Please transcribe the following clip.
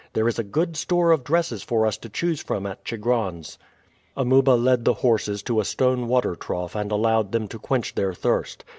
There is a good store of dresses for us to choose from at Chigron's." Amuba led the horses to a stone water trough and allowed them to quench their thirst.